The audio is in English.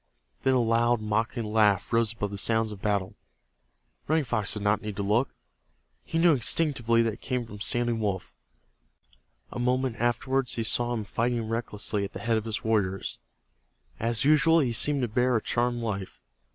Then a loud mocking laugh rose above the sounds of battle. Running Fox did not need to look. He knew instinctively that it came from Standing Wolf. A moment afterward he saw him fighting recklessly at the head of his warriors. As usual be seemed to bear a charmed life.